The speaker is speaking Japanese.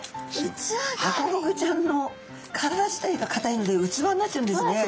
ハコフグちゃんの体自体がかたいので器になっちゃうんですね。